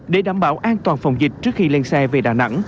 để đảm bảo an toàn phòng dịch trước khi lên xe về đà nẵng